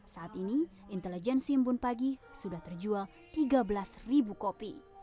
saat ini intelijen simbun pagi sudah terjual tiga belas kopi